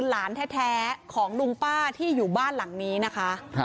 หลานแท้ของลุงป้าที่อยู่บ้านหลังนี้นะคะ